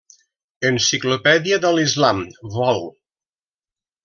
Enciclopèdia de l'Islam, Vol.